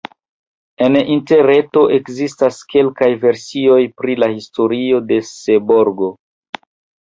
En Interreto ekzistas kelkaj versioj pri la historio de Seborgo.